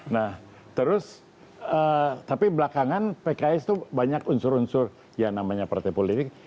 nah terus tapi belakangan pks itu banyak unsur unsur yang namanya partai politik